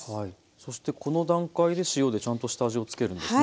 そしてこの段階で塩でちゃんと下味を付けるんですね。